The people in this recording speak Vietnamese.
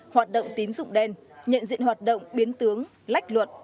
hoạt động tín dụng đen nhận diện hoạt động biến tướng lách luật